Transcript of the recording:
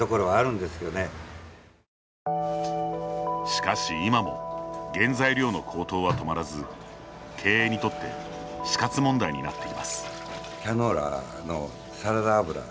しかし、今も原材料の高騰は止まらず経営にとって死活問題になっています。